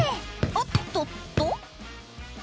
おっとっと。